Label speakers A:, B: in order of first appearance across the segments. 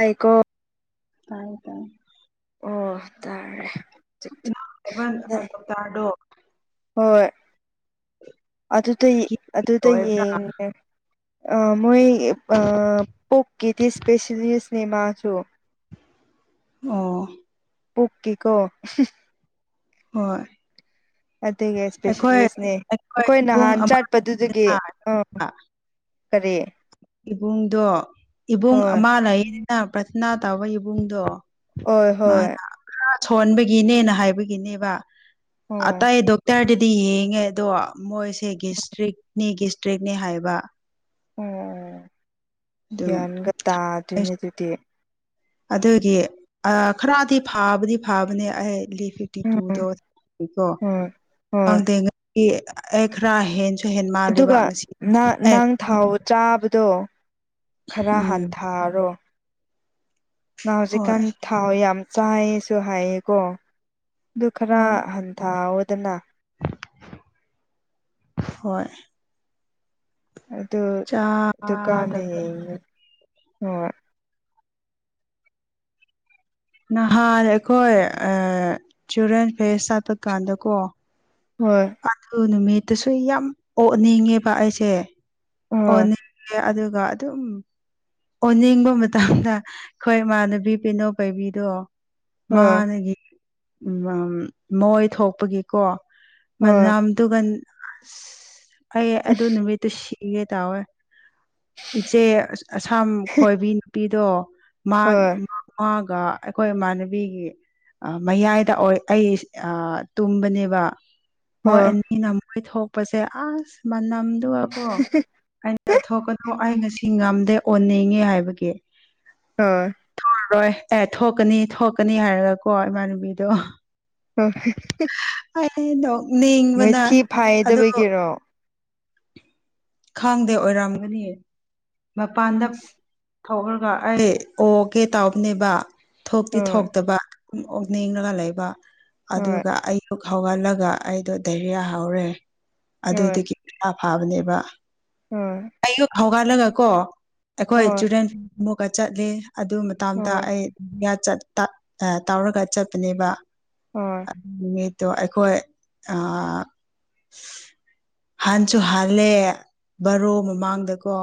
A: ꯑꯩꯀꯣ
B: ꯇꯥꯏꯌꯦ ꯇꯥꯏ
A: ꯑꯣ ꯇꯥꯔꯦ ꯍꯧꯖꯤꯛꯇꯤ
B: [unintelligible]
A: ꯍꯣꯏ ꯑꯗꯨꯗꯩ ꯑꯗꯨꯗꯩ
B: ꯑꯣꯏꯕ꯭ꯔꯥ
A: ꯌꯦꯡ ꯑꯦ ꯑ ꯃꯣꯏ ꯄꯣꯛꯀꯤꯗꯤ ꯏꯁꯄꯦꯁꯤꯂꯤꯁꯅꯦ ꯃꯥꯁꯨ
B: ꯑꯣ
A: ꯄꯨꯛꯀꯤ ꯀꯣ
B: ꯍꯣꯏ
A: ꯑꯗꯨꯒꯤ
B: ꯑꯩꯈꯣꯏ
A: ꯏꯁꯄꯦꯁꯦꯂꯤꯁꯅꯦ ꯑꯩꯈꯣꯏ ꯅꯍꯥꯟ ꯆꯠꯄꯗꯨꯗꯒꯤ ꯑꯣ
B: ꯑꯃꯗꯅ
A: ꯀꯔꯤ
B: ꯏꯕꯨꯡꯗꯣ ꯏꯕꯨꯡ
A: ꯍꯣꯏ
B: ꯑꯃ ꯂꯩꯌꯦꯅ ꯄ꯭ꯔꯊꯅꯥ ꯇꯥꯧꯕ ꯏꯕꯨꯡꯗꯣ
A: ꯍꯣꯏ
B: ꯃꯥ
A: ꯍꯣꯏ
B: ꯁꯣꯟꯣꯟꯕꯒꯤꯅꯦꯅ ꯍꯥꯏꯕꯒꯤꯅꯦꯕ ꯑ
A: ꯑꯣ
B: ꯑꯦ ꯗꯒ ꯇ ꯍꯥꯏ ꯇꯤ ꯌꯦꯡꯉꯦ ꯑꯗꯣ ꯃꯣꯏꯁꯦ ꯒꯤꯁꯇ꯭ꯔꯤꯛꯅꯤ ꯒꯤꯁꯇ꯭ꯔꯤꯛꯅꯤ ꯍꯥꯏꯕ
A: ꯑꯣ ꯑꯣ
B: ꯑꯗꯨꯝ
A: ꯒ꯭ꯌꯥꯟꯒ ꯇꯥꯗꯦꯅꯦ ꯑꯗꯨꯗꯤ
B: ꯑꯗꯨꯒꯤ ꯑ ꯈꯔꯗꯤ ꯐꯥꯕꯗꯤ ꯐꯕꯅꯦ ꯑꯩ ꯂꯤ ꯐꯤꯇꯤ
A: ꯎꯝ
B: ꯇꯨꯗꯣ [unintelligible]
A: ꯍꯣꯏ ꯍꯣꯏ
B: ꯈꯪꯗꯦ ꯑꯩ ꯈ꯭ꯔꯥ ꯍꯦꯟ ꯀꯍꯦꯟ ꯃꯥꯜꯂꯦꯕ
A: ꯑꯗꯨꯒ
B: ꯉꯁꯤ ꯑꯦ
A: ꯅꯪ ꯊꯥꯎ ꯆꯥꯕꯗꯣ ꯈꯔ
B: ꯎꯝ
A: ꯍꯟꯊꯔꯣ ꯃꯥ
B: ꯍꯣꯏ
A: ꯍꯧꯖꯤꯛꯀꯥꯟ ꯊꯥꯎ ꯌꯥꯝ ꯆꯥꯏꯌꯦꯁꯨ ꯍꯥꯏꯌꯦꯀꯣ ꯑꯗꯨ ꯈꯔ
B: ꯍꯣꯏ
A: ꯍꯟꯊꯑꯣꯗꯅ
B: ꯍꯣꯏ
A: ꯑꯗꯨ ꯗꯨꯀꯥꯟꯅ
B: ꯆꯥꯗꯕ
A: ꯌꯦꯡꯉꯤ ꯍꯣꯏ
B: ꯅꯍꯥꯟ ꯑꯩꯈꯣꯏ ꯆꯤꯜꯗ꯭ꯔꯦꯟ ꯐꯦꯁ ꯆꯠꯄ ꯀꯥꯟꯗ ꯀꯣ
A: ꯍꯣꯏ
B: ꯑꯗꯨ ꯅꯨꯃꯤꯠꯇꯁꯨ ꯌꯥꯝ ꯑꯣꯛꯅꯤꯡꯉꯦꯕ ꯑꯩꯁꯦ ꯑꯣ
A: ꯍꯣꯏ
B: ꯑꯗꯨꯒ ꯑꯗꯨꯝ ꯑꯣꯅꯤꯡꯕ ꯃꯇꯝꯗ ꯑꯩꯈꯣꯏ ꯏꯃꯥꯟꯅꯕꯤ ꯄꯦꯅꯣ ꯄꯥꯏꯕꯤꯗꯣ
A: ꯍꯣꯏ
B: ꯃꯥꯅꯒꯤ ꯃꯣꯏ ꯊꯣꯛꯄꯒꯤꯀꯣ
A: ꯍꯣꯏ
B: ꯃꯅꯝꯗꯨꯒ ꯑꯁ ꯑꯩ ꯑꯗꯨ ꯅꯨꯃꯤꯠ ꯇꯨ ꯁꯤꯒꯦ ꯇꯥꯋꯦ ꯏꯆꯦ ꯑꯁꯥꯝ ꯈꯣꯏꯕꯤ ꯅꯨꯄꯤꯗꯣ ꯃꯥ
A: ꯍꯣꯏ
B: ꯃꯥꯒ ꯑꯩꯈꯣꯏ ꯏꯃꯥꯟꯅꯕꯤꯒꯤ ꯃꯌꯥꯏꯗ ꯑꯣꯏ ꯑꯩ ꯑ ꯇꯨꯝꯕꯅꯦꯕ ꯃꯣꯏ
A: ꯍꯣꯏ
B: ꯑꯅꯤꯅ ꯃꯣꯏ ꯊꯣꯛꯄꯁꯦ ꯑꯁ ꯃꯅꯝꯗꯨꯕꯣ ꯆꯠꯊꯣꯛ ꯀꯅꯣ ꯑꯩ ꯉꯁꯤ ꯉꯝꯗꯦ ꯑꯣꯟꯅꯤꯡꯉꯦ ꯍꯥꯏꯕꯒꯤ
A: [unintelligible]
B: ꯊꯣꯛꯑꯔꯣꯏ ꯑꯦ ꯊꯣꯛꯀꯅꯤ ꯊꯣꯛꯀꯅꯤ ꯍꯥꯏꯔꯒ ꯀꯣ ꯏꯃꯥꯟꯅꯕꯤꯗꯣ
A: [unintelligible]
B: [unintelligible] ꯑꯩ
A: ꯃꯣꯏ
B: ꯅꯣꯛꯅꯤꯡꯕꯅ
A: ꯊꯤ
B: ꯑꯗꯣ
A: ꯐꯥꯏꯗꯕꯒꯤꯔꯣ
B: ꯈꯪꯗꯦ ꯑꯣꯏꯔꯝꯒꯅꯤ ꯃꯄꯥꯟꯗ
A: ꯑꯁ
B: ꯊꯣꯛꯂꯒ ꯑꯩ ꯑꯣꯒꯦ ꯇꯥꯎꯕꯅꯦꯕ ꯊꯣꯛꯇꯤ ꯊꯣꯛꯇꯕ ꯑꯗꯨꯝ ꯑꯣꯛꯅꯤꯡꯉꯒ ꯂꯩꯕ
A: ꯍꯣꯏ ꯍꯣꯏ
B: ꯑꯗꯨꯒ ꯑꯩ ꯑꯌꯨꯛ ꯍꯧꯒꯠꯂꯒ ꯑꯩꯗꯣ ꯗꯥꯏꯔꯤꯌꯥ ꯍꯧꯔꯦ
A: ꯍꯣꯏ
B: ꯑꯗꯨꯗꯒꯤ ꯏꯁꯥ ꯐꯥꯕꯅꯦꯕ
A: ꯍꯣꯏ
B: ꯑꯌꯨꯛ ꯍꯧꯒꯠꯂꯒꯀꯣ ꯑꯩꯈꯣꯏ
A: ꯍꯣꯏ
B: ꯆꯤꯜꯗ꯭ꯔꯦꯟ ꯐ ꯑꯃꯨꯛꯀ ꯆꯠꯂꯤ ꯑꯗꯨ ꯃꯇꯗ
A: ꯍꯣꯏ
B: ꯑꯩ [unintelligible] ꯇꯥꯎꯔꯒ ꯆꯠꯄꯅꯦꯕ
A: ꯍꯣꯏ
B: ꯑꯗꯨ ꯅꯨꯃꯤꯠꯇꯣ ꯑꯩꯈꯣꯏ ꯍꯥꯟꯁꯨ ꯍꯥꯜꯂꯦ ꯕꯥꯔꯣ ꯃꯃꯥꯡꯗꯀꯣ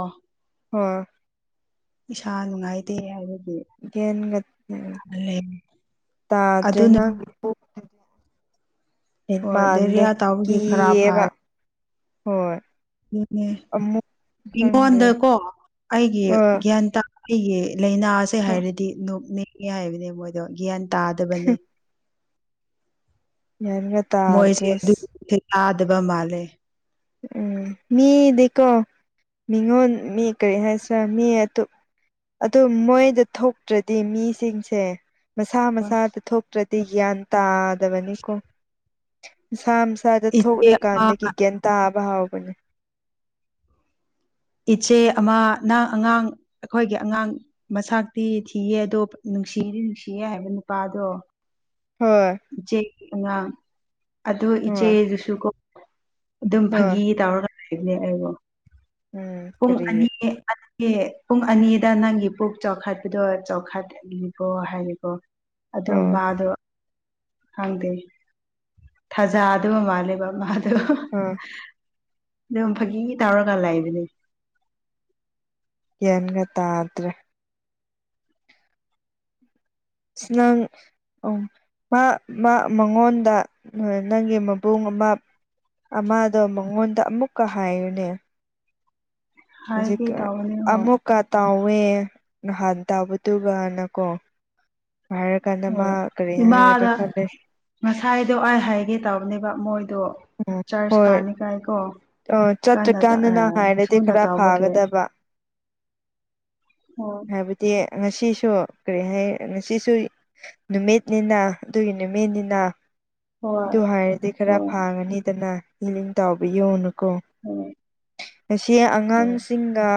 A: ꯍꯣꯏ
B: ꯏꯁꯥ ꯅꯨꯡꯉꯥꯏꯇꯦ ꯍꯥꯏꯕꯒꯤ
A: ꯒ꯭ꯌꯥꯟꯒ
B: ꯍꯜꯂꯦ ꯑꯗꯨ
A: ꯇꯥꯗ꯭ꯔꯦ ꯅꯪ
B: ꯍꯣꯏ
A: ꯃꯥꯜꯂꯦ
B: ꯗꯥꯏꯔꯤꯌꯥ ꯇꯥꯎꯕꯒꯤ ꯈꯔ
A: ꯀꯕ ꯍꯣꯏ
B: ꯑꯗꯨꯅꯦ
A: ꯑꯃꯨꯛ ꯈꯪꯗꯦ
B: ꯑꯩꯉꯣꯟꯗꯀꯣ ꯑꯩꯒꯤ
A: ꯍꯣꯏ
B: ꯒ꯭ꯌꯥꯟ ꯇꯥ ꯑꯩꯒꯤ ꯂꯥꯏꯅꯥꯁꯦ
A: ꯍꯣꯏ
B: ꯍꯥꯏꯔꯗꯤ ꯅꯣꯛꯅꯤꯡꯉꯦ ꯍꯥꯏꯕꯅꯦ ꯃꯣꯏꯗꯣ ꯒ꯭ꯌꯥꯟ ꯇꯥꯗꯕꯅꯤ
A: ꯒ꯭ꯌꯥꯟꯒ ꯇꯥꯗ꯭ꯔꯦꯁ
B: ꯑꯥꯗꯕ ꯃꯥꯂꯦ
A: ꯎꯝ ꯃꯤꯗꯤꯀꯣ ꯃꯤꯉꯣꯟ ꯃꯤ ꯀꯔꯤ ꯍꯥꯏꯁꯤꯔ ꯃꯤ ꯑꯗꯨ ꯃꯣꯏꯗ ꯊꯣꯛꯇ꯭ꯔꯗꯤ ꯃꯤꯁꯤꯡꯁꯦ ꯃꯁꯥ ꯃꯁꯥꯗ ꯊꯣꯛꯇ꯭ꯔꯗꯤ ꯒ꯭ꯌꯥꯟ ꯇꯥꯗꯕꯅꯤꯀꯣ ꯃꯁꯥ ꯏꯁꯥꯗ
B: ꯏꯆꯦ ꯑꯃ
A: ꯊꯣꯛꯂꯀꯥꯟꯗꯒꯤ ꯒ꯭ꯌꯥꯟ ꯇꯥꯕ ꯍꯥꯎꯕꯅꯦ
B: ꯏꯆꯦ ꯑꯃ ꯅ ꯑꯉꯥꯡ ꯑꯩꯈꯣꯏꯒꯤ ꯑꯉꯥꯡ ꯃꯁꯇꯤ ꯊꯤꯌꯦ ꯑꯗꯣ ꯅꯨꯡꯁꯤꯗꯤ ꯅꯨꯡꯁꯤꯌꯦ ꯍꯥꯏꯕ ꯅꯨꯄꯥꯗꯣ
A: ꯍꯣꯏ
B: ꯏꯆꯦ ꯑꯉꯥꯡ ꯑꯣ
A: ꯍꯣꯏ
B: ꯏꯆꯦꯗꯨꯁꯨ ꯀ ꯑꯗꯨꯝ
A: ꯍꯣꯏ
B: ꯐꯥꯒꯤ ꯇꯧꯔ ꯂꯩꯕꯅꯦ ꯑꯩꯕꯨ
A: ꯎꯝ
B: ꯄꯨꯡ
A: ꯀꯔꯤ
B: ꯑꯅꯤ ꯑꯅꯤ ꯄꯨꯡ ꯑꯅꯤꯗ ꯅꯪꯒꯤ ꯄꯨꯛ ꯆꯥꯎꯈꯠꯄꯗꯣ ꯆꯥꯎꯈꯠꯂꯤꯕꯣ ꯍꯥꯏꯔꯀꯣ ꯑꯗꯨ
A: ꯑꯣ
B: ꯃꯥꯗꯣ ꯍꯪꯗꯦ ꯊꯥꯖꯥ ꯑꯗꯨꯃ ꯃꯥꯜꯂꯦꯕ ꯃꯥꯗꯣ
A: ꯎꯝ
B: ꯑꯗꯨꯝ ꯐꯥꯒꯤ ꯇꯧꯔꯒ ꯂꯥꯛꯏꯕꯅꯦ
A: ꯌꯦꯟꯒ ꯇꯥꯗ꯭ꯔꯦ ꯁꯅꯪ ꯎꯝ ꯃꯥ ꯃꯥ ꯃꯉꯣꯟꯗ ꯅꯪꯒꯤ ꯃꯕꯨꯡ ꯑꯃ ꯑꯃꯗꯣ ꯃꯉꯣꯟꯗ ꯑꯃꯨꯛꯀ ꯍꯥꯏꯌꯨꯅꯦ ꯍꯧꯖꯤꯛ
B: ꯍꯥꯏꯒꯦ ꯇꯧꯕꯅꯦ ꯍꯣꯏ
A: ꯑꯃꯨꯛ ꯀꯥ ꯇꯥꯎꯋꯦ ꯅꯍꯥꯟ ꯇꯥꯕꯗꯨꯒꯅꯀꯣ ꯍꯥꯏꯔ ꯀꯥꯟꯗ ꯃꯥ
B: ꯍꯣꯏ
A: ꯀꯔꯤ ꯍꯥꯏꯒꯗ꯭ꯔꯥ
B: ꯏꯃꯥꯗ
A: ꯈꯜꯂꯤꯦ
B: ꯉꯁꯥꯏꯗꯣ ꯑꯩ ꯍꯥꯏꯒꯦ ꯇꯕꯅꯦꯕ ꯃꯣꯏꯗꯣ ꯆꯔꯆ
A: ꯍꯣꯏ
B: ꯀꯥꯅꯤ ꯀꯥꯏ ꯀꯣ
A: ꯑꯣ
B: ꯀꯟꯅ ꯑꯦ
A: ꯆꯠꯇ꯭ꯔꯤꯀꯥꯟꯗꯅ ꯍꯥꯏꯔꯗꯤ
B: ꯊꯨꯅ
A: ꯈꯔ
B: ꯇꯥꯕꯒꯦ
A: ꯐꯥꯒꯗꯕ
B: ꯑꯣ
A: ꯍꯥꯏꯕꯗꯤ ꯉꯁꯤꯁꯨ ꯀꯔꯤ ꯍꯥꯏ ꯉꯁꯤꯁꯨ ꯅꯨꯃꯤꯠꯅꯤꯅ ꯑꯗꯨꯒꯤ ꯅꯨꯃꯤꯠꯅꯤꯅ
B: ꯍꯣꯏ
A: ꯑꯗꯨ ꯍꯥꯏꯔꯗꯤ ꯈꯔ
B: ꯍꯣꯏ
A: ꯐꯥꯒꯅꯤꯗꯅ ꯏꯂꯤꯪ ꯇꯥꯎꯕꯤꯌꯣꯅꯨꯀꯣ
B: ꯎꯝ
A: ꯉꯁꯤ ꯑꯉꯥꯡꯁꯤꯡꯒ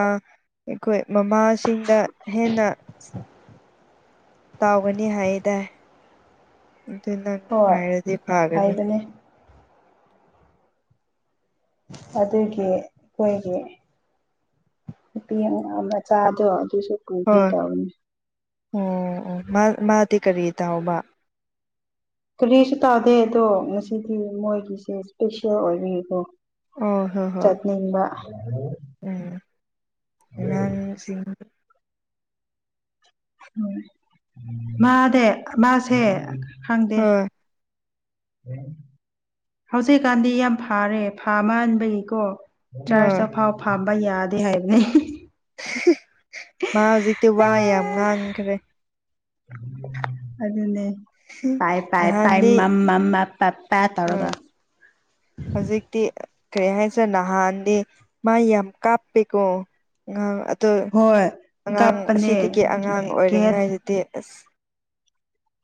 A: ꯑꯩꯈꯣꯏ ꯃꯃꯥꯁꯤꯡꯗ ꯍꯦꯟꯅ ꯇꯥꯎꯒꯅꯤ ꯍꯥꯏꯌꯦꯗꯥ ꯑꯗꯨ ꯅꯪ
B: ꯍꯣꯏ
A: ꯍꯥꯏꯔꯗꯤ ꯐꯒꯅꯤ
B: ꯍꯥꯏꯕꯅꯦ ꯑꯗꯨꯒꯤ ꯑꯩꯈꯣꯏꯒꯤ ꯅꯨꯄꯤ ꯑꯉꯥꯡ ꯃꯆꯥꯗꯣ ꯑꯗꯨꯁꯨ ꯄꯨꯈꯤ
A: ꯍꯣꯏ
B: ꯗꯧꯅꯤ
A: ꯑꯣ ꯑꯣ ꯃꯥ ꯃꯥꯗꯤ ꯀꯔꯤ ꯇꯥꯎꯕ
B: ꯀꯔꯤꯁꯨ ꯇꯥꯗꯦ ꯑꯗꯣ ꯉꯁꯤꯗꯤ ꯃꯣꯏꯒꯤꯁꯦ ꯏꯁꯄꯤꯁꯤꯌꯦꯜ ꯑꯣꯏꯕꯒꯤꯀꯣ
A: ꯑꯣ ꯍꯣꯏ ꯍꯣꯏ
B: ꯆꯠꯅꯤꯡꯕ
A: ꯁꯤꯡ
B: ꯃꯥꯗꯦ ꯃꯥꯁꯦ ꯈꯪꯗꯦ
A: ꯍꯣꯏ
B: ꯍꯧꯖꯤꯛꯀꯥꯟꯗꯤ ꯌꯥꯝ ꯐꯔꯦ ꯐꯥꯃꯟꯕꯒꯤꯀꯣ
A: ꯍꯣꯏ
B: ꯆꯥꯔꯁꯇꯐꯥꯎ ꯐꯥꯝꯕ ꯌꯥꯗꯦ ꯍꯥꯏꯕꯅꯦ
A: ꯃꯥ ꯍꯧꯖꯤꯛꯇꯤ ꯋꯥ ꯌꯥꯝ ꯉꯥꯡꯈ꯭ꯔꯦ
B: ꯑꯗꯨꯅꯦ ꯄꯥꯏ ꯄꯥꯏ ꯄꯥꯏ
A: ꯅꯍꯥꯟꯗꯤ
B: ꯃꯝ ꯃꯝ ꯃ ꯄꯥ ꯄꯥ
A: ꯑꯥ
B: ꯇꯧꯔꯒ
A: ꯍꯧꯖꯤꯛꯇꯤ ꯀꯔꯤ ꯍꯥꯏꯁꯤꯔ ꯅꯍꯥꯟꯗꯤ ꯃꯥ ꯌꯥꯝ ꯀꯥꯞꯄꯦꯀꯣ ꯑꯉꯥꯡ ꯑꯣ
B: ꯍꯣꯏ
A: ꯑꯉꯥꯡ
B: ꯀꯞꯄꯅꯦ
A: ꯑꯁꯤꯗꯒꯤ ꯑꯉꯥꯡ
B: ꯒꯦꯠ
A: ꯑꯣꯏꯔꯤꯉꯩꯗꯗꯤ ꯑꯁ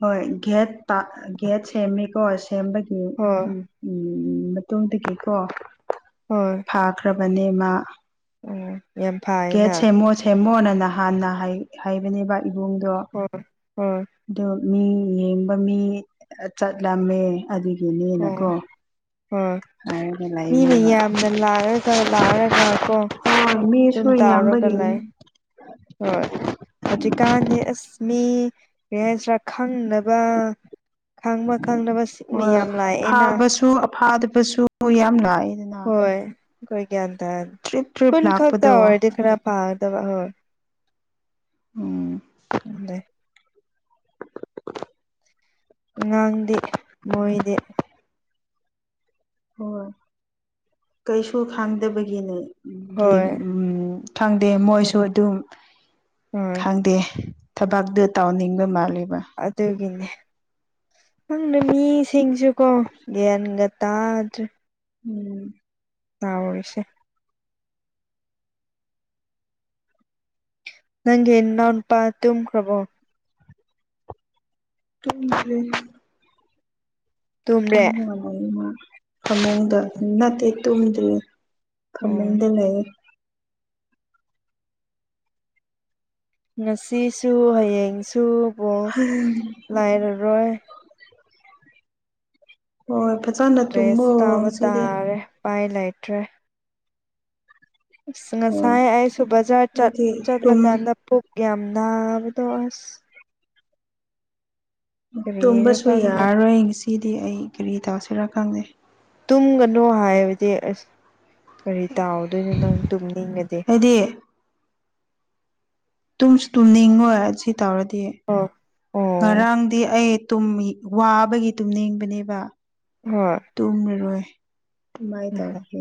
B: ꯍꯣꯏ ꯒꯦꯠꯇ ꯒꯦꯠ ꯁꯦꯝꯃꯤꯀꯣ ꯁꯦꯝꯕꯒꯤ
A: ꯍꯣꯏ
B: ꯎꯝ ꯎꯝ ꯃꯇꯨꯡꯗꯒꯤꯀꯣ
A: ꯍꯣꯏ
B: ꯐꯥꯈ꯭ꯔꯕꯅꯦ ꯃꯥ
A: ꯎꯝ ꯌꯥꯝ
B: ꯒꯦꯠ
A: ꯐꯥꯏꯅ
B: ꯁꯦꯃꯣ ꯁꯦꯝꯃꯣꯅ ꯅꯍꯥꯟꯅ ꯍꯥꯏꯕꯅꯦꯕ ꯏꯕꯨꯡꯗꯣ
A: ꯍꯣꯏ ꯍꯣꯏ
B: ꯑꯗꯣ ꯃꯤ ꯌꯦꯡꯕ ꯃꯤ ꯆꯠꯂꯝꯃꯦ ꯑꯗꯨꯒꯤꯅꯦꯅꯀꯣ
A: ꯑꯣ
B: ꯍꯥꯏꯔꯒ
A: ꯃꯤ
B: ꯂꯩꯕꯅꯦꯕ
A: ꯃꯌꯥꯝꯅ ꯂꯥꯔꯒ ꯂꯥꯛꯑꯔꯒ ꯀꯣ
B: ꯍꯣꯏ
A: ꯑꯗꯨꯝ
B: ꯃꯤꯁꯨ
A: ꯇꯥꯎꯔꯒ
B: ꯌꯥꯝꯕꯒꯤꯅꯤ
A: ꯂꯩ ꯍꯣꯏ ꯍꯧꯛꯀꯥꯟꯅꯤ ꯑꯁ ꯃꯤ ꯀꯔꯤ ꯍꯥꯏꯁꯤꯔꯥ ꯈꯪꯗꯕ
B: ꯍꯣꯏ
A: ꯂꯥꯛꯑꯦꯅ
B: ꯐꯥꯕꯁꯨ ꯑꯐꯥꯗꯕꯁꯨ ꯌꯥꯝ ꯂꯥꯏꯗꯅ
A: ꯍꯣꯏ ꯑꯩꯈꯣꯏ ꯒ꯭ꯌꯥꯟ ꯇꯥꯅꯤ
B: ꯇ꯭ꯔꯤꯞ ꯇ꯭ꯔꯤꯞ
A: ꯈꯨꯟ
B: ꯂꯥꯛꯄꯗꯣ
A: ꯈꯛꯇ ꯑꯣꯏꯔꯗꯤ ꯈꯔ ꯐꯥꯒꯗꯕ ꯍꯣꯏ
B: ꯎꯝ
A: ꯎꯗꯦ ꯑꯉꯥꯡꯗꯤ ꯃꯣꯏꯗꯤ
B: ꯍꯣꯏ ꯀꯩꯁꯨ ꯈꯥꯡꯗꯕꯒꯤꯅꯦ
A: ꯍꯣꯏ
B: ꯎꯝ ꯈꯪꯗꯦ ꯃꯣꯏꯁꯨ ꯑꯗꯨꯝ
A: ꯍꯣꯏ
B: ꯈꯪꯗꯦ ꯊꯕꯥꯛꯇꯨ ꯇꯧꯅꯤꯡꯕ ꯃꯥꯂꯦꯕ
A: ꯑꯗꯨꯒꯤꯅꯦ ꯅꯪꯅ ꯃꯤꯁꯤꯡꯁꯨꯀꯣ ꯒ꯭ꯌꯥꯟꯒꯇꯥ
B: ꯎꯝ
A: ꯇꯧꯔꯤꯁꯦ ꯅꯪꯒꯤ ꯅꯅꯥꯎ ꯅꯨꯄꯥ ꯇꯨꯝꯈ꯭ꯔꯕꯣ
B: ꯇꯨꯝꯗ꯭ꯔꯤ
A: ꯇꯨꯝꯔꯦ
B: ꯇꯨꯝꯅꯕ ꯂꯩ ꯏꯃ ꯐꯃꯨꯡꯗ
A: ꯎꯝ
B: ꯅꯠꯇꯦ ꯇꯨꯝꯗ꯭ꯔꯤ
A: ꯎꯝ
B: ꯐꯃꯨꯡꯗ ꯂꯩꯌꯦ
A: ꯉꯁꯤꯁꯨ ꯍꯌꯦꯡꯁꯨ ꯕꯣꯜ
B: [unintelligible]
A: ꯂꯩꯔꯔꯣꯏ
B: ꯍꯣꯏ ꯐꯖꯅ ꯇꯨꯝꯃꯣ ꯉꯁꯤꯗꯤ
A: ꯄꯥꯏ ꯂꯩꯇ꯭ꯔꯦ ꯑꯁ
B: ꯍꯣꯏ
A: ꯉꯁꯥꯏ ꯑꯩꯁꯨ ꯕꯖꯥꯔ ꯆꯠ
B: ꯑꯩꯗꯤ ꯇꯨꯝ
A: ꯆꯠꯂꯀꯥꯟꯗ ꯄꯨꯛ ꯌꯥꯝ ꯅꯥꯕꯗꯣ ꯑꯁ ꯀꯔꯤꯔ
B: ꯇꯨꯝꯕꯁꯨ
A: ꯈꯪꯗ꯭ꯔꯦ
B: ꯌꯥꯔꯔꯣꯏ ꯉꯁꯤꯗꯤ ꯑꯩ ꯀꯔꯤ ꯇꯧꯁꯤꯔꯥ ꯈꯪꯗꯦ
A: ꯇꯨꯝꯒꯅꯣ ꯍꯥꯏꯕꯗꯤ ꯑꯁ ꯀꯔꯤ ꯇꯥꯎꯗꯣꯏꯅꯣ ꯅꯪ ꯇꯨꯝꯅꯤꯡꯒꯗꯤ
B: ꯍꯥꯏꯗꯤ ꯇꯨꯝꯁꯨ ꯇꯨꯝꯅꯤꯡꯉꯣꯏ ꯁꯤ ꯇꯧꯔꯗꯤ
A: ꯑꯣ ꯑꯣ
B: ꯉꯔꯥꯡꯗꯤ ꯑꯩꯨꯝ ꯋꯥꯕꯒꯤ ꯇꯨꯝꯅꯤꯡꯕꯅꯦꯕ
A: ꯍꯣꯏ
B: ꯇꯨꯝꯃꯔꯣꯏ ꯀꯃꯥꯏꯅ
A: ꯍꯣꯏ
B: ꯇꯧꯔꯤꯒꯦ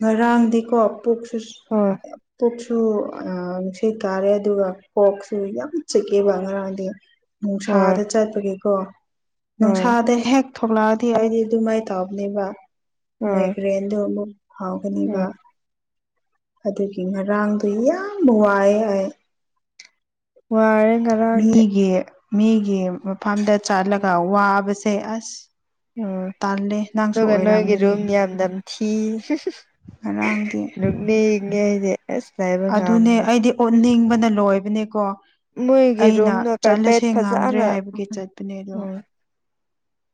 B: ꯉꯔꯥꯡꯗꯤꯀꯣ ꯄꯨꯛꯁꯨ
A: ꯍꯣꯏ
B: ꯀꯣꯛꯁꯨ ꯑ ꯅꯨꯡꯁ ꯀꯥꯔꯦ ꯑꯗꯨꯒ ꯀꯣꯛꯁꯨ ꯌꯥꯝ ꯆꯤꯛꯀꯦꯕ ꯉꯔꯥꯡꯗꯤ ꯅꯨꯡꯁꯥꯗ ꯆꯠꯄꯒꯤꯀꯣ
A: ꯍꯣꯏ
B: ꯅꯨꯡꯁꯥꯗ ꯍꯦꯛ ꯊꯣꯛꯂꯛꯑꯗꯤ ꯑꯩꯗꯤ ꯑꯗꯨꯃꯥꯏꯅ ꯇꯕꯅꯦꯕ
A: ꯍꯣꯏ
B: ꯃꯥꯏꯒ꯭ꯔꯦꯟꯗꯨ ꯑꯃꯨꯛ ꯍꯥꯎꯒꯅꯤꯕ
A: ꯍꯣꯏ
B: ꯑꯗꯨꯒꯤ ꯉꯥꯡꯗꯨ ꯌꯥꯝ ꯅꯨꯡ ꯋꯥꯥꯏ ꯑꯩ
A: ꯋꯥꯔꯦ ꯉꯔꯥꯡꯗꯤ
B: ꯃꯤꯒꯦ ꯃꯤꯒꯤ ꯃꯐꯝꯗ ꯆꯠꯂꯒ ꯋꯥꯕꯁꯦ ꯑꯁ
A: ꯑꯣ
B: ꯇꯜꯂꯦ ꯅꯪꯁꯨ
A: ꯑꯗꯨꯒ ꯅꯣꯏꯒꯤ
B: ꯑꯣꯏꯔꯝꯒꯅꯤ
A: ꯔꯨꯝ ꯌꯥꯝꯅ ꯊꯤ
B: ꯉꯔꯥꯡꯗꯤ
A: ꯒꯦꯗ ꯑꯥꯏ
B: ꯑꯗꯨꯅꯦ ꯑꯩꯗꯤ ꯑꯣꯠꯅꯤꯡꯕꯅ ꯂꯣꯏꯕꯅꯦꯀꯣ
A: ꯃꯣꯏꯒꯤ
B: ꯑꯩꯅ
A: ꯔꯨꯝꯗꯣ ꯀꯥꯔꯄꯦꯠ
B: ꯆꯠꯂꯁꯦ ꯉꯥꯝꯗ꯭ꯔꯦ
A: ꯐꯖꯅ
B: ꯍꯥꯏꯕꯒꯤ ꯆꯠꯄꯅꯦ ꯑꯗꯣ
A: ꯎꯝ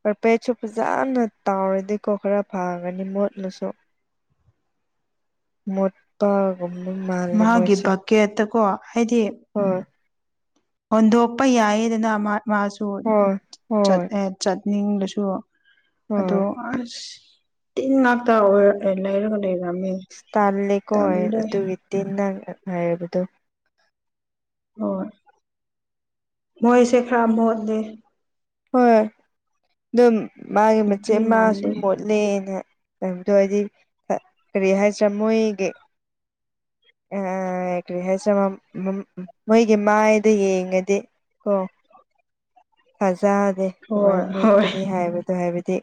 A: ꯄꯔꯄꯦꯠꯁꯨ ꯐꯖꯅ ꯇꯥꯎꯔꯗꯤꯀꯣ ꯈꯔ ꯐꯒꯅꯤ ꯃꯣꯠꯂꯁꯨ ꯃꯗ ꯇꯒ ꯃꯥꯥ ꯂꯩ
B: ꯃꯥꯒꯤ
A: ꯃꯁ
B: ꯕꯛꯀꯦꯠꯇꯀꯣ ꯍꯥꯏꯗꯤ
A: ꯍꯣꯏ
B: ꯍꯣꯟꯗꯣꯛꯄ ꯌꯥꯏꯌꯦꯗꯅ ꯃꯥꯁꯨ
A: ꯍꯣꯏ ꯍꯣꯏ
B: ꯆꯠꯂꯦ ꯆꯠꯅꯤꯡꯕꯁꯨ ꯑꯗꯣ
A: ꯍꯣꯏ
B: ꯑꯁ ꯇꯤꯟ ꯉꯥꯛꯇꯔ ꯏꯔꯒ ꯂꯩꯔꯝꯃꯦ
A: ꯁꯜ ꯂꯩ ꯀꯣ
B: ꯇꯜꯂꯦ
A: ꯑꯗꯨꯤꯇ ꯅ ꯍꯥꯏꯔꯗꯨ
B: ꯍꯣꯏ ꯃꯣꯏꯁꯦ ꯈꯔ ꯃꯣꯠꯂꯤ
A: ꯍꯣꯏꯣꯏ ꯑꯗꯨꯝ ꯃꯥꯒꯤ
B: ꯅꯨꯄꯤ
A: ꯃꯆꯦꯠ ꯃꯥ
B: ꯃꯥꯟꯗꯦ
A: ꯁꯨꯝ ꯃꯣꯠ ꯆꯠꯂꯦꯅ ꯍꯥꯏꯕꯗꯣ ꯍꯥꯏꯗꯤ ꯀꯔꯤ ꯍꯥꯏꯗ꯭ꯔꯥ ꯃꯣꯏꯒꯤ ꯑ ꯀꯔꯤ ꯍꯥꯏꯁꯦ ꯃꯣꯏꯒꯤ ꯃꯥꯏꯗ ꯌꯦꯡꯉꯗꯤ ꯑ ꯊꯖ
B: ꯍꯣꯏ
A: ꯑꯗꯨꯃꯥꯏꯅ
B: ꯍꯣꯏ
A: ꯃꯨꯠꯀꯅꯤ ꯍꯥꯏꯕꯗꯣ ꯍꯥꯏꯕꯗꯤ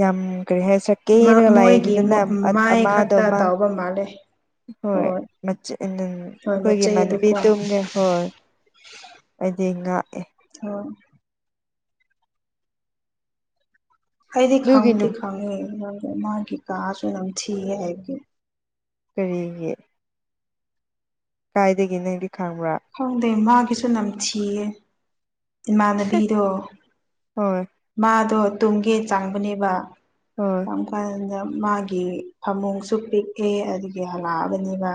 A: ꯌꯥꯝ ꯀꯔꯤ ꯍꯥꯏ ꯀꯦꯔꯒ ꯂꯥꯛꯑꯦꯅꯤꯗꯅ ꯑꯃꯥꯗꯣ ꯑꯃ
B: ꯕ ꯃꯥꯅꯦꯦ
A: ꯍꯣꯏ
B: ꯍꯣꯏ
A: ꯑꯩꯈꯣꯏꯒꯤ ꯃꯥꯟꯕꯤ
B: ꯃꯆꯩꯗꯨꯀꯣ
A: ꯇꯨꯝꯒ ꯍꯣꯏ ꯑꯩꯗꯤ ꯉꯥꯛꯑꯦ
B: ꯑꯣ ꯑꯩꯗꯤ
A: ꯑꯗꯨꯒꯤ
B: ꯈꯪꯕꯨꯗꯤ ꯈꯪꯉꯤ ꯃꯥꯒꯤ ꯀꯥꯁꯨ ꯅꯝꯊꯤꯒ ꯍꯥꯏꯕꯒꯤ
A: ꯀꯔꯤꯒꯤ ꯀꯥꯏꯗꯒꯤ ꯅꯪꯗꯤ ꯈꯪꯕ꯭ꯔꯥ
B: ꯈꯪꯗꯦ ꯃꯥꯒꯤꯁꯨ ꯅꯝꯊꯤꯌꯦ ꯏꯃꯥꯟꯅꯕꯤꯗꯣ
A: ꯍꯣꯏ
B: ꯃꯥꯗꯣ ꯇꯨꯝꯒꯦ ꯆꯥꯡꯕꯅꯦꯕ
A: ꯍ
B: ꯀꯔꯝ ꯀꯥꯟꯗ ꯃꯥꯒꯤ ꯐꯃꯨꯡꯁꯨ ꯄꯤꯛꯑꯦ ꯑꯗꯨꯗꯒꯤ ꯍꯜꯂꯛꯑꯕꯅꯤꯅ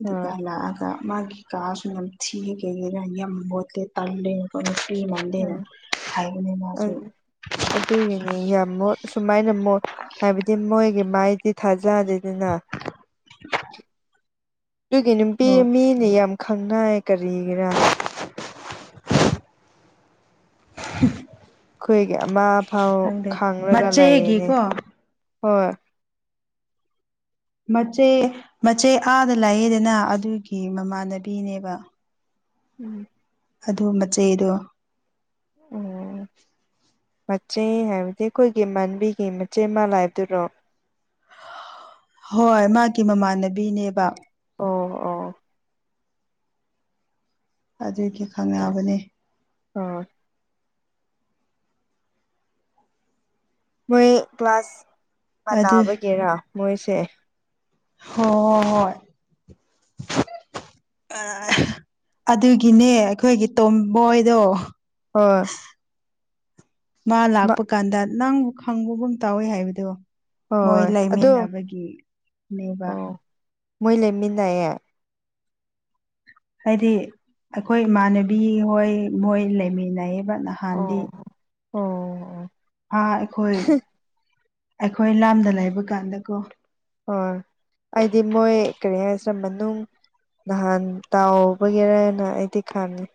B: ꯑꯗꯨ
A: ꯍꯣꯏ
B: ꯀꯂ ꯑꯒ ꯃꯥꯒꯤ ꯀꯥꯁꯨ ꯅꯝ ꯊꯤꯒꯒꯔ ꯌꯥꯝ ꯃꯣꯠꯇꯦ ꯇꯂꯦ ꯑꯩꯈꯣꯏꯅ ꯄꯤ ꯃꯥꯟꯗꯦꯅ
A: ꯎꯝ
B: ꯍꯥꯏꯕꯅꯤ ꯃꯥꯁꯨ
A: ꯌꯥꯝꯃ ꯁꯨꯃꯥꯏꯅ ꯍꯥꯏꯕꯗꯤ ꯃꯣꯏꯒꯤ ꯃꯥꯏꯗꯤ ꯊꯥꯖꯗꯦꯗꯅ
B: [inaudible]
A: ꯑꯗꯨꯒꯤ ꯅꯨꯄꯤ
B: ꯍꯣꯏ
A: ꯃꯤꯅꯦ ꯌꯥꯝ ꯈꯪꯅ ꯀꯔꯤꯒꯤꯔꯥ
B: [unintelligible]
A: ꯑꯩꯈꯣꯏꯒꯤ ꯑꯃ ꯐꯥꯎ
B: ꯈꯪꯗꯦ
A: ꯈꯥꯡꯔꯒ ꯂꯩꯌꯦꯅꯦ
B: ꯃꯆꯦꯒꯤꯀꯣ
A: ꯍꯣꯏ
B: ꯃꯆꯦ ꯃꯆꯦ ꯑꯥꯗ ꯂꯥꯛꯑꯦꯗꯅ ꯑꯗꯨꯒꯤ ꯃꯃꯥꯟꯅꯕꯤꯅꯦꯕ
A: ꯎꯝ
B: ꯑꯗꯨ ꯃꯆꯩꯗꯣ
A: ꯎꯝ ꯃꯆꯦ ꯍꯥꯏꯕꯗꯤ ꯑꯩꯈꯣꯏꯒꯤ ꯏꯃꯥꯟꯕꯤꯒꯤ ꯃꯆꯦ ꯃꯜꯂ ꯍꯥꯏꯕꯗꯨꯔꯣ
B: ꯍꯣꯏ ꯃꯥꯒꯤ ꯃꯃꯥꯟꯅꯕꯤꯅꯦꯕ
A: ꯑꯣ ꯑꯣ
B: ꯑꯗꯨꯒꯤ ꯈꯪꯅꯕꯅꯦ
A: ꯑꯣ ꯃꯣꯏ ꯀ꯭ꯂꯥꯁ
B: ꯑꯗꯨ
A: ꯃꯅꯥꯕꯒꯦꯔꯥ ꯃꯣꯏꯁꯦ
B: ꯍꯣ ꯍꯣ ꯍꯣꯏ ꯑꯗꯨꯒꯤꯅꯦ ꯑꯩꯈꯣꯏꯒꯤ ꯇꯣꯝꯕꯣꯏꯗꯣ
A: ꯍꯣꯏ
B: ꯃꯥ ꯂꯥꯛꯄ ꯀꯥꯟꯗ ꯅꯪꯕꯨ ꯈꯪꯕꯒꯨꯝ ꯇꯥꯎꯋꯤ ꯍꯥꯏꯕꯗꯣ ꯃꯣꯏ
A: ꯍꯣꯏ ꯑꯗꯣ
B: ꯂꯩꯃꯤꯟꯅꯕꯒꯤꯅꯦꯕ
A: ꯑꯣ ꯃꯣꯏ ꯂꯩꯃꯤꯟꯅꯩꯌꯦ
B: ꯍꯥꯏꯗꯤ ꯑꯩꯈꯣꯏ ꯏꯃꯥꯟꯅꯕꯤ ꯍꯣꯏ ꯃꯣꯏ ꯂꯩꯃꯤꯟꯅꯩꯌꯦꯕ ꯅꯍꯥꯟꯗꯤ
A: ꯑꯣ ꯑꯣ
B: ꯍꯥꯥ ꯑꯩꯈꯣꯏ ꯑꯩꯈꯣꯏ ꯂꯥꯝꯗ ꯂꯩꯕ ꯀꯥꯟꯗꯀꯣ
A: ꯑꯣ ꯑꯩꯗꯤ ꯃꯣꯏ ꯀꯔꯤ ꯍꯥꯏꯁꯦ ꯃꯅꯨꯡ ꯅꯍꯥꯟ ꯇꯥꯎꯕꯒꯤꯔꯅ ꯑꯩꯗꯤ ꯈꯪꯉꯤ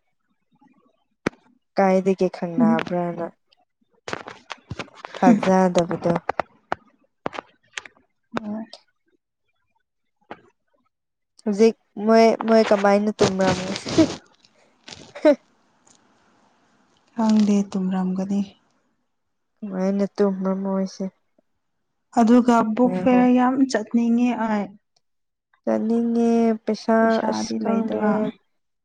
A: ꯀꯥꯏꯗꯒꯦ ꯈꯪꯅꯕ꯭ꯔꯥꯅ ꯊꯖꯗꯕꯗꯣ
B: [unintelligible]
A: ꯍꯧꯖꯤꯛ ꯃꯣꯏ ꯃꯣꯏ ꯀꯃꯥꯏꯅ ꯇꯨꯝꯔꯝꯒꯦ
B: ꯈꯪꯗꯦ ꯇꯨꯝꯔꯝꯒꯅꯤ
A: ꯀꯃꯥꯏꯅ ꯇꯨꯝꯕꯔꯥ ꯃꯣꯏꯁꯦ
B: ꯑꯗꯨꯒ ꯕꯨꯛ
A: ꯉꯥꯏꯈꯣ
B: ꯐꯤꯔ ꯌꯥꯝ ꯆꯠꯅꯤꯡꯉꯦ ꯑꯩ
A: ꯆꯥꯠꯅꯤꯡꯉꯦ ꯄꯩꯁꯥ ꯑꯁ
B: ꯄꯩꯁꯥꯗꯤ
A: ꯈꯪꯗꯦ
B: ꯂꯩꯇꯕ